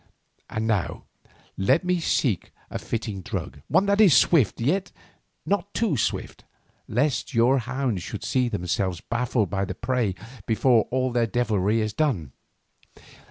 "And now let me seek a fitting drug—one that is swift, yet not too swift, lest your hounds should see themselves baffled of the prey before all their devilry is done.